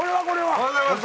おはようございます。